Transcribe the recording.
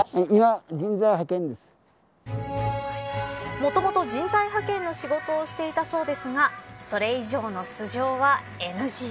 もともと人材派遣の仕事をしていたそうですがそれ以上の素性はＮＧ。